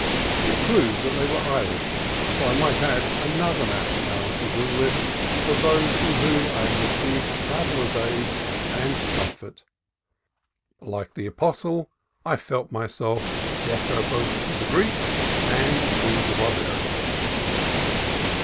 It proved that they were Irish, so I might add another nationality to the list of those from whom I had received a traveller's aid and comfort. Like the apostle, I felt myself "debtor both to the Greeks and to the Barbarians."